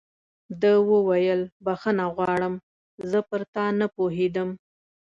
ده وویل: بخښنه غواړم، زه پر تا نه پوهېدم.